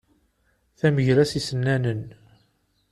Tamegra s isennanen.